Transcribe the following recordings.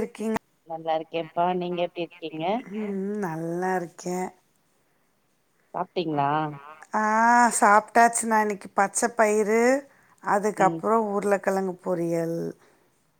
இருக்கிங்கள உம் நல்லா இருக்கேன்ப்பா நீங்க இருக்கே எப்டி நிங்க இருக்கீங்க எப்புடி இருக்கே உம் நல்லா இருக்கேன் சாப்பிட்டீங்களா ஆ சாப்பிட்டாச்சுனா இன்னைக்கு பச்சை பயிரு ம் அதுக்கப்புறம் ஊருல உருலகிழங்கு பொரியல்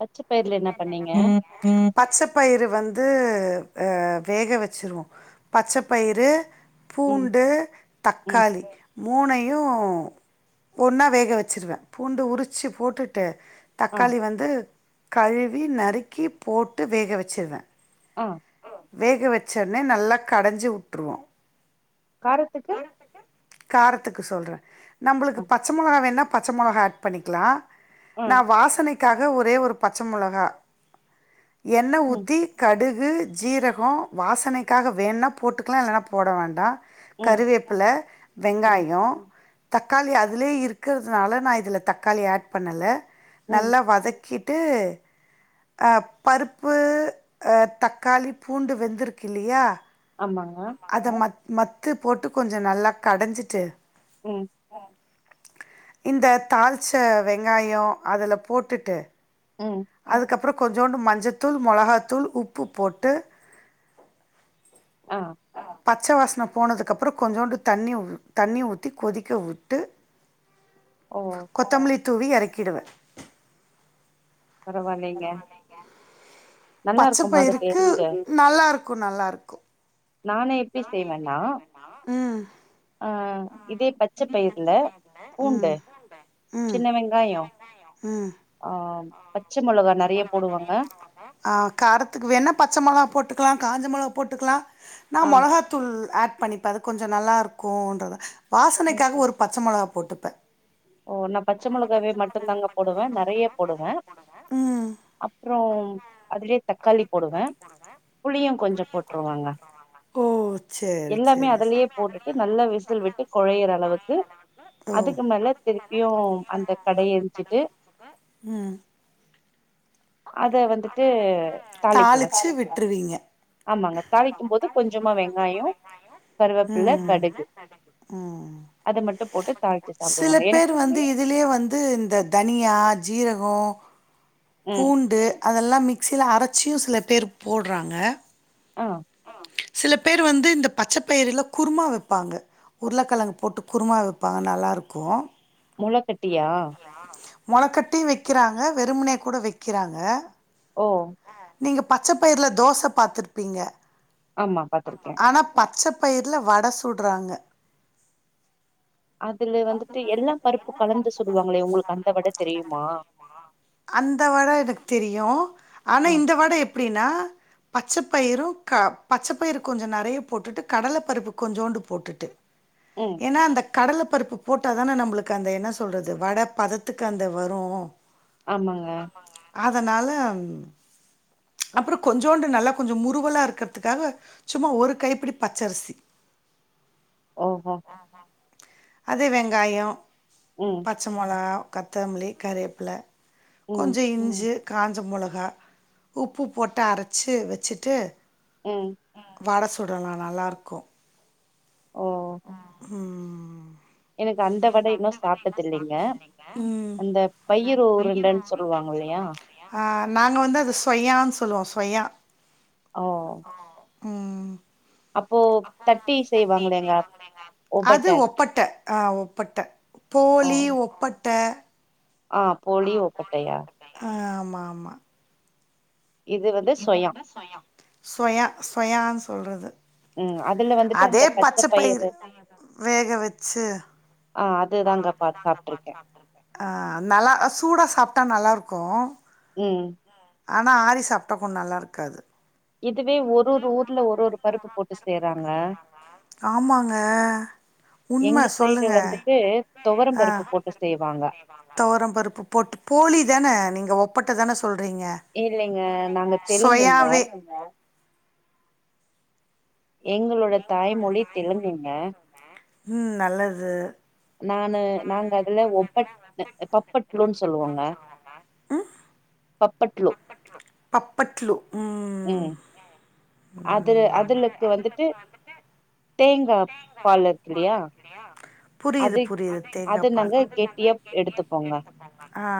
பச்ச பயிர்ல என்ன பண்ணீங்க ம் பச்சைப்பயுரு வந்து ஆஹ் வேக வச்சிருவோம் பச்சை பயிறு பூண்டு பூண்டு ம் தக்காளி மூணையு ஒன்னா வேக வச்சுருவே பூண்டு உரிச்சு போட்டுட்டு ஆ தக்காளி வந்து கழுவி நறுக்கி போட்டு வேக வச்சிருவே ஆ வேக வச்சனே நல்லா கடஞ்சி உட்ருவோ காரத்துக்கு காரத்துக்கு சொல்றே நம்மளுக்கு ஆ பச்ச மொளகா வேண்ணா பச்ச மொளகா ஆட் பண்ணிக்லா ஆ நா வாசனைக் க்காக ஒரே ஒரு பச்ச மொளகா எண்ண ம் ஊத்தி கடு கு ஜீரகம் வாசனைக்காக வேண்னா போட்டுக்கலா இல்லன்னா போட வேண்டா ம் கருவேப்பில ம் வெங்காயொ தக்காளி அதுலயே இருக்குறதுனால நா இதுல தக்காளி ஆட் பண்ணல ம் நல்லா வதக் க்கிட்டு அ பருப்பு அ தக் காளி பூண்டு வெந்துருக்கில்லையா ஆமாங்க மத்து போட்டு கொஞ்ச நல்லா கடஞ்சுட்டு உம் இந்த தாள்ச்ச வெங்காயொ அதுல போட்டுட்டு உம் ப்றொ கொஞ்சோண்டு மஞ்சத்தூள் மொளகாத்தூள் உப்பு போட்டு ஆ பச்ச வாசன போனதுக்கப்றொ கொஞ்சோண்டு தண்ணி தண்ணி ஊத்தி கொதிக்க விட்டு ஓ கொத்தமல்லி தூவி எறக்கிடுவே பரவால்லைங்க பச்ச பயிருக்கு நல்லாருக் க்கு நல்லாருக்கு நானு எப்டி செய்வேன்னா ம் ஆ ம் இதே பச்ச பயிர்ல பூண்டு சின்ன வெங்காயோ ம் ஆ பச்ச மொளகா நெறைய போடுவங்க அ காரத்துக்கு வேனா பச்ச மொளா போட்டுக்கலா காஞ்ச மொளா போட்டுக்கலா நான் ஆ மொளகாத்தூள் ஆட் பண்ணிப்ப அது கொஞ்சம் நல்லா இருக்கும்ன்றது வாசனைக்காக ஒரு பச்சை மொளக போட்டுப்பேன் ஓ நான் பச்சை மிளகாவே மட்டு தாங்க போடுவேன் நறைய போடுவேன் ம் அப்புறம் அதுலே தக் காளி போடுவேன் புளியும் கொஞ்சம் ஆமாங்க ஓ சேரி எல்லாமே சேரி அதுலே போட்டுட்டு நல்ல விசில் விட்டு கொழையிற அளவுக்கு ஓ அதுக்கு மேல திருப்பியும் அந்த கட எரிச்சிட்டு உம் அத வந்துட்டு தாளிக்குவே தாளிச்சு விட்ருவீங்க ஆமாங்க தாளிக்கும் போது கொஞ்சமா வெங்காயம் கருவப்புள்ள ம் கடுகு ம் அது மட்டும் போட்டு தாழிச்சு சில சாப்பிடுவங்க எனக்கு பேர் வந்து இதுலயே வந்து இந்த தனியா ஜீரகம் ம் பூண்டு அதெல்லாம் மிக்ஸி மிசில அரைச்சியும் சில பேர் போட்றாங்க ஆஹ் சில பேர் வந்து இந்த பச்சைப்பயிரில குருமா வப்பாங்க உருளைக்கெழங்கு போட்டு குருமா வப்பாங்க நல்லாருக்கும் மொளை கட்டியா மொளக்கட்டி வைக்கிறாங்க வெறுமனே கூட வைக்கிறாங்க ஓ நீங்கள் பச்சை பயிரில்ல தோசை பாத்துருப்பீங்க ஆமா பாத்துருக்கேன் பயிர்ல வடை சுடுறாங்க அதுல வந்துட்டு எல்லாம் பருப்பும் கலந்து சு சுடுவாங்களே உங்களுக்கு அந்த வடைத்தெ தெரியுமா அந்த வடை எனக்கு தெரியும் ஆனா ஆ இந்த வடை எப் எப்டின்னா பச்சைப்பயிரும் க பச்சைப்பயிர்கொஞ்சம் நறைய போட்டுட்டு கடலை பருப்பு கொஞ்சோண்டு போட்டுட்டு ம் ஏன்னா அந்த கடலை பருப்பு போட்டாதானே நம்மளுக்கு அந்த என்ன சொல்றது வடை பதத்துக்கு அந்த வரும் ஆமாங்க அதனால் அப்புறம் கொஞ்சோண்டு நல்லா கொஞ்சம் முருவலா இருக்கிறதுக்காக சும்மா ஒரு கைப்பிடி பச்ச அரிசி ஓஹோ அது வெங்காயம் ம் பச்ச முலகா கொத்தமல்லி கருவேப்பில ம் கொஞ்சம் இஞ்சு காஞ்ச மிளகா உப்பு போட்டு அரைச்சு வச்சுட்டு ம் வட சுடலாம் நல்லாயிருக்கும் ஓ உம்ம் எனக்கு அந்த வடை இன்னும் சாப்டது இல்லைங்க உம் அந்த பயிர் பயிறு உருண்டன்னு சொல்லுவாங்க உருண்டைன்னு இல்லையா சொல்வாங்க இல்லை சொன்னீங்க இல்லையா ஆஹ் நாங்கள் வந்து அது ஸொய்யான்னு சொல்லுவோம் ஸொய்யா ஓ உம்ம் அப்போ தட்டி செய்வாங்களேங்க செய்வாங்கலேங்க ஒபட்ட அது ஒப்பட்ட ஆஹ் ஒப்பட்ட ஓ போலி ஒப்பட்ட ஆ போளி ஆஹ் போலி ஒப்பட்டையா ஆமா ஆமா இது வந்து சொயா ஸொய்யா ஸொய்யா சொல்றது ம் அதுல வந்துட்டு அதே அந்த பச்ச பச்சை பயறு பயிறு வேக வச்சு ஆ அதுதாங்க பா சாப்ட்ருக்கே அஹ் நல்லா சுடா சாப் ட்டா நல்லா இருக்கும் உம் ஆனா ஆரி சாப் ட்ட அப்பறம் நல்லா இருக்காது இதுவே ஒரு ஒரு ஊர்ல ஒரு ஒரு பருப்பு போட்டு செய்யறாங்க ஆமாங்க. உண்ம எங்க சைடு சொல்லுங்க. வந்துட்டு துவர பருப்பு போட்டு செய்வாங்க துவரம் பருப்பு போட்டு போலி தானே நீங்க ஒப்பட்ட தானே சொ சொல்றீங்க இல்லைங்க நாங்க தெலுங்குங்க ஸொய்யாவே எங்களோட தாய்மொழி தெலுங்குங்க உம் நல்லது நானு நாங்க அதுல ஒப்படபட்பட் ரோல்ஸ் சொல்லுவோங்க பப்பட்லோ பப்பட்லோ உம் ம் அது அதுலக்கு வந்துட்டு தேங்காய் பால் இருக்கு இல்லயா ஆ புரியுது புரியுது தேங்காய் பால் கெட்டியா எடுத்துப்போங்க ஹ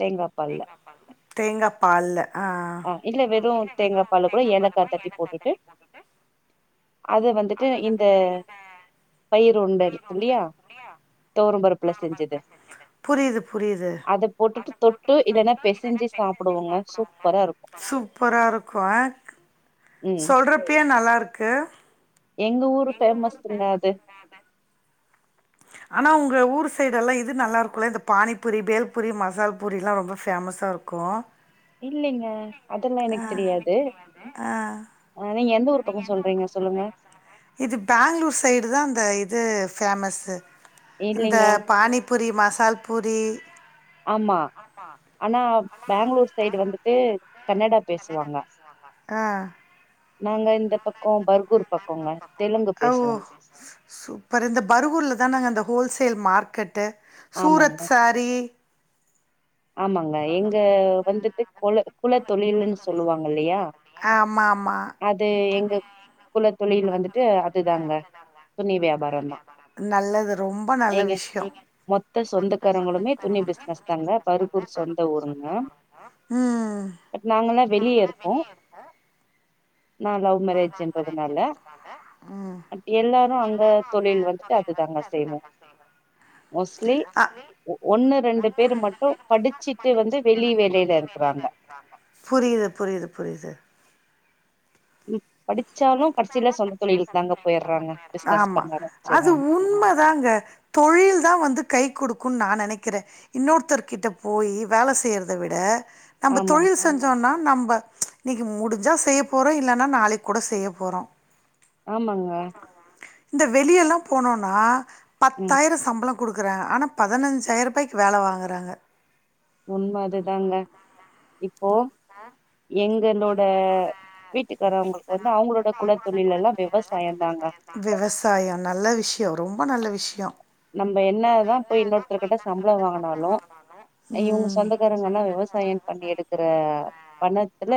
தேங்காய் பால்ல தேங்காய் பாலில் ஆ ஆஹ் இல்ல வெறும் தேங்காய் பால் கூட ஏலக்காய் தட்டி போட்டுட்டு அது வந்து இந்த பயறு உருண்ட இருக்குதில்லையா துவரம் பருப்புல செஞ்சது புரியுது புரியுது அதை போட்டுட்டு தொட்டு இதெல்லாம் பெசஞ்சி சாப்பிடுவோங்க சூப்பரா இருக்கும் சூப்பராக இருக்கும் ஆ உம் குத்த எங்க ஊரு பேமஸ்ங்க அது ஆனா உங்க ஊர் சைடெல்லாம் இது நல்லா இருக்கும்ல்ல இந்த பானிபூரி பேல்பூரி மசால்பூரிய எல்லா ரொம்ப ஃபேமஸ்ஸா இருக்கும் இல்லங்க ஆஹ் அஹ் ஆ நீங்க எந்த ஊர் பக்கோ சொல்றீங்க சொல்லுங்க இது பெங்களூர் சைடு தான் அந் இது ஃபேமஸ்ஸு இந்த இல்லைங்க பாணிப் பூரி மசால் பூரி ஆமா ஆனா பெங்களூர் சைடு வந்துட்டு கன்னடா பேசுவாங்க ஆஹ் நாங்க இந்த பக்கம் பகுரூ பக்க ஓ சூப்பர் இந்த பருூர்ல தான் நாங்க அந்த ஹோல் சேல் மார்க்கெட்டு ஆமாங்க சூரத் சாரி ஆமாங்க எங்க வந்துட்டு குல குல தொழில்னு சொல்லுவாங்க இல்லையா ஆமா ஆமா அது எங்க குல தொழில் வந்துட்டு அதுதாங்க துணி வியாபாரந்தா நல்லது ரொம்ப நல்ல எங்க விஷயம் மொத்த சொந்தக்காரங்களுமே துணி பிசினஸ் தாங்க பர்கூர் சொந்த ஊருங்க உஹ்ஹ் பட் நாங்கல்லா நான் லவ் மேரேஜ்ன்றதுனாலட் ம் எல்லாரும் அங்க தொழில் வந்துட்டு அதுதாங்க செய்வோம் மோஸ்ட்லி ஆ ஒன்னு ரெண்டு பேர் மட்டும் படிச்சுட்டு வந்து வெளி வேளையில இருக்கறாங்க புரியுது புரியுது புரியுது உம் படிச்சாலும் பிசினஸ் ஆமா பண்ண அது ஆரம்பிச்சடுறாங்க உண்மைதாங்க தொழில் தான் வந்து கை குடுக் கும்னு நான் நெனைக்கிறேன் இன்னொருத்தர்கிட்ட போய் வேலை செய்றதை விட நம்ம ஆமாங்க தொழில் செஞ்சோம்னா நம்ப இன்னக்கு முடிஞ்சா செய்ய போறோம் இல்லைன்னா நாளைக்கு கூட செய்ய போறோம் ஆமாங்க இந்த வெளியெல்லா போனோன்னா ம் பத்தாயிர சம்பளம் குடுக்குறாங்க ஆனா பதினஞ்சாயருபாய்க்கு வேல வாங்குறாங்க உண்ம அதுதாங்க இப்போ எங்களோட வீட்டுக்காரவங்களுக்கு வந்து அவங்களோட குலத்தொழில் எல்லா விவசாயம் தாங்க விவசாயம் நல்ல விஷ்யொ ரொம் ப நல்ல விஷ்யம் நம்ப என்னதா போய் இன்னொருத்தர்கிட்ட சம்பள வாங்குனாலு இவுங்க ம் சொந்தக்காரங்கன்னா விவசாயம் பண்ணி எடுக்குற பணத்து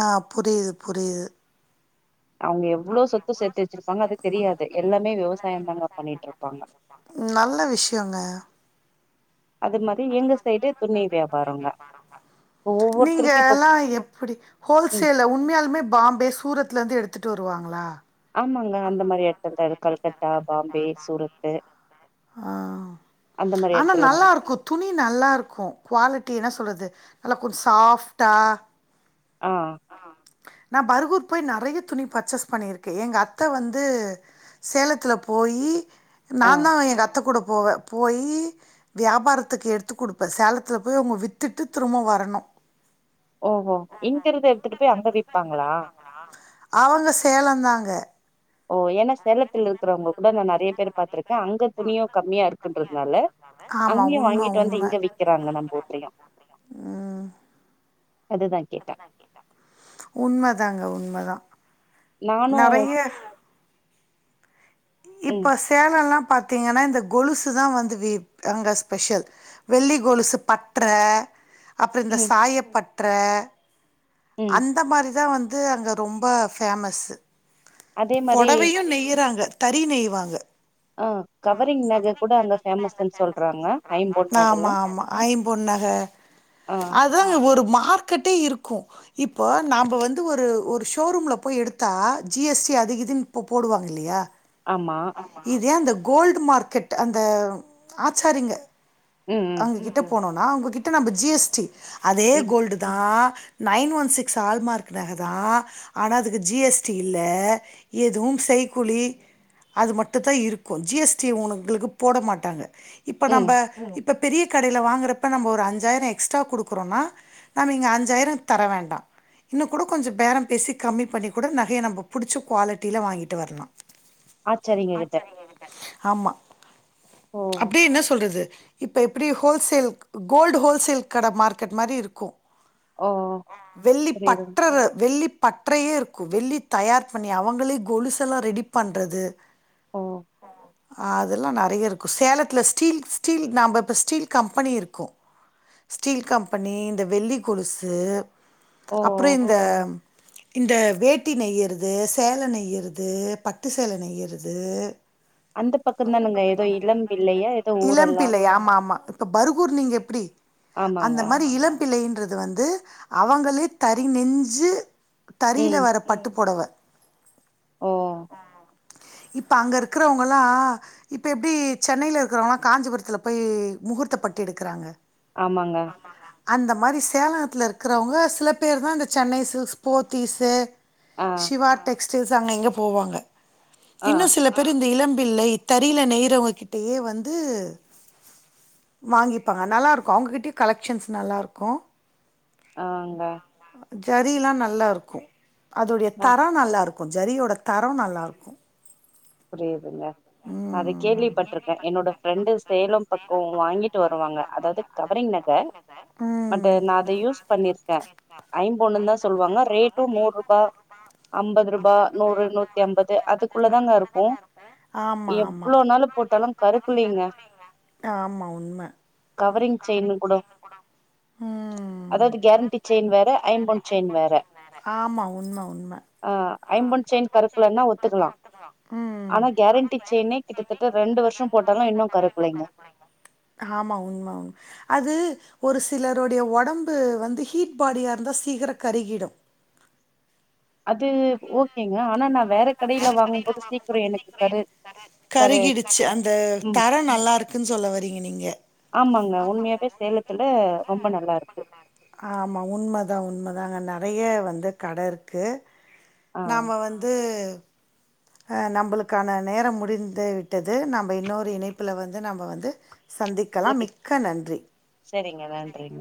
ஆ புரியிது புரியிது அவங்க எவ்ளோ சொத்து சேத்து வச்சிருப்பாங்க அது தெரியாது எல்லாமே விவசாயம் தாங்க பண்ணிட்டு இருப்பாங்க நல்ல விஷ்யொங்க அது மாரி எங்க சைடு துணி வியாபாரங்க நீங்க ஒவ்வொருத்தருக்கு இப்போ எல்லா எப்டி ம் ஹோல்சேல்ல உண்மையாலுமே பாம்பே சூரத் த்ல இருந்து எடுத்துட்டு வருவாங்களா ஆமாங்க அந்த மாரி எடத்துலதா‌ கல்கத்தா பாம்பே சூரத்து ஆ அந்த மாரி ஆனா எடத்துலந்தா நல்லாருக்கு துணி து நல்லா கொ சாஃப்டா ஆ நா பருகூர் போய் நெறைய துணி பர்ச்சேஸ் பண்ணிருக்கே எங்க அத்த வந்து சேலத்துல போயி ஆ நாந்தா எங்க அத்த கூட போவ போயி வியாபாரத்துக்கு எடுத்து குடுப்பே சேலத்துல போய் அவுங்க வித்துட்டு திரும்ப வரணு ஓஹோ இங்கருக்கத எடுத்துட்டு போய் அங்க விப்பாங்களா அவங்க சேலம்தாங்க ஓ ஏனா சேலத்துல இருக்கறவங்க கூட நா நெறைய பேர் பாத்திருக்கே அங்க துணியு கம்மியா இருக்குன்றதுனால ஆமா அங்கயு உண்ம வாங்கிட்டு வந்து உண்ம உம் இங்க விக்கிறாங்க நம்ம ஊர்லயு அதுதா கேட்டே உண்மதாங்க உண்மதா நானு நெறைய ம் இப்ப சேலொல்லா பாத்தீங்கனா இந்த கொலுசு தா வந்து வே அங்க ஸ்பெஷல் வெள்ளி கொலுசு பட்ற அப்ற இந்த ம் சாயப்பட். ட்ற ம் அந்த மாரிதா வந் து அங்க ரொம்ப ஃபேமஸு அதே மாரி பொடவையு நெய்யிறாங்க தறி நெய்வாங்க ஆ கவரிங் நக கூட அங்க ஃபேமஸ்ன்னு சொல்றாங்க ஐம்பொன் ஆமா அதெல்லா ஆமா ஐம்பொன் நக ஆ அதுவு இங்க ஒரு மார்கெட்டே இருக் கு இப்போ நாம்ப வந்து ஒரு ஒரு ஷோரூம்ல போய் எடுத்தா ஜி எஸ் அது இதுன்னு இப்போ போடுவாங்க இல்லையா ஆமா இதே அந்த கோல்டு மார்க்கெட் அந்த ஆச்சாரிங்க ம் ம் அங்ககிட்ட போனும் அவுங்ககிட்ட நம்ம ஜி எஸ்டி அதே ம் கோல்டு தான் நைன் ஒன் சிக்ஸ் ஆல்மார்க் நகை தான் ஆனா அதுக்கு ஜிஎஸ்டி இல்ல எதுவும் செய்கூலி அது மட்டும் தான் இருக்கும் ஜிஎஸ்டி உங்கங்களுக்கு போட மாட்டாங்க இப்ப ம் நம்ம இப்ப இப்போ பெரிய கடையில் வாங்கிறப்ப நம்ம ஒரு அஞ்சாயிரம் எக்ஸ்ட்ரா கொடுக்குறோம்னா நம்ம இங்கே அஞ்சாயிரம் தர வேண்டாம் இன்னும் கூட கொஞ்சம் பேரம் பேசி கம்மி பண்ணி கூட நகையை நம்ப புடிச்சு குவாலிட்டியில வாங்கிட்டு வரலா ஆச்சாரிங்க ஆஹ் கிட்ட சரிங்க ஆமா ஓ அப்டியே என்ன சொல்றது இப்ப எப்டி ஹோல்சேல்க் கோல்டு ஹோல்சேல் கட மார்க்கெட் மாரி இருக்கும் ஓ வெள்ளி புரியுதுங் பற்ற வெள்ளி பற்றையே இருக்கு வெள்ளி தயார் பண்ணி அவுங்களே கொலுசல்லா ரெடி பண்றது ஓ [unintelligible] அதெல்லா நறைய இருக்கு சேலத்துல ஸ்டீல்-ஸ்டீல் நம்ம இப்போ ஸ்டீல் கம்பெனி இருக்கும் ஸ்டீல் கம்பெனி இந்த வெள்ளி கொலுசு ஓ அப்றம் இந்த இந்த வேட்டி நையிறது சேல நெய்யிறது பட்டு சேல நெய்யிறது அந்த பக்கந்தானுங்க ஏதோ இளம் பிள்ளையா ஏதோ ஊரெல்லா இளம்பிள்ளை ஆமா ஆமா இப்ப பருகூர் நீங்க எப்டி ஆமாங்க அந்த மாரி இளம்பிள்ளின் து வந்து அவங்களே தறி நெஞ்சு தறில ம் வர பட்டு புடவை ஓ இப்ப அங்க இருக்கிறவங்கல்லாம் இப்ப எப்படி சென்னையில இருக்கிறவங்காம் காஞ்சிபுரத்துல போய் முகூர்த்த பட்டு எடுக்கறாங்க ஆமாங்க அந்த மாரி சேலத்துல இருக்கிறவங்க சில பேர் தான் இந்த சென்னைசில்க்ஸ் போத்திஸ் ஆ சிவா டெக் டைல்ஸ் அங்க இங்க போவாங்க ஆ இன்னும் சில பேர் இந்த இளம்ப இளம்பிள்ளை தரியில நெய்ரவுங்க கிட்டயே வந்து வாங்கிப்பாங்க நல்லா இருக்கும் அவுங்க கிட்டயும் கலெக்ஷன்ஸ் நல்லா இருக்கு ம் ஆங்க ஜரில்லாம் நல்லா இருக்கும் அதோடைய ஆ தரம் நல்லாயிருக்க இருக்கும் ஜரியோட தரம் நல்லா இருக்கும் புரிதுங்க நான் அத கேள்விப்பட்டிருக்கேன் என்னோட ஃப்ரெண்டு சேலம் பக்கம் வாங்கிட்டு வருவாங்க அதாவது கவரிங் நக பட் ம் நான் அதை யூஸ் பண்ணிருக்கேன் ஐம்பொண்ணு தான் சொல்லுவாங்க ரேட்டும் நூறு ரூபாய் அம்பதுரூபா நூறு நூத்தி அம்பது அதுக்குள்ளதாங்க இருக்கும் ஆமா உ ஆமா எவ்வளவு நால போட்டாலு கருப்புள்ளிங்க ஆமா உண்ம கவரிங் செயின் கூட ம் அதாவது கேரண்டி செயின் வேற ஐம்பொன் செயின் வேற ஆமாம் உண்ம உண்ம ஆ ஐம்பொன் செயின் கருப்புலனா ஒத்துக்கலாம் உம் உம் செயினே கிட்டத்தட்ட ரெண்டு வருஷம் போட்டாலும் இன்னும் கருக்குலைங்க ஆமா உண்ம உண்ம அது ஒரு சிலருடய உடம்பு வந்து ஹீட் பாடியா இருந்தா சீக்கிரம் கருகிடும் அது ஓகேங்க ஆனா நான் வேற கடையில வாங்கும் போது சீக்கிரம் எனக்கு கரு கரு கருகிடுச்சி அந்த ம் தரம் நல்லா இருக்குன்னு சொல்ல வரீங்க நீங்க த்துல ரொம்ப நல்லா இருக்கு ஆமா உண்மதான் உண்மதான் அங்க நெறைய வந்து கட இருக்கு ஆ நாம வந்து அஹ் நம்மளுக்கான நேரம் முடிந்து விட்டது நம்ம இன்னொரு இணைப்புல வந்து நம்ம வந்து சந்திக்கலாம் சரி மிக்க நன்றி சரிங்க நன்றிங்க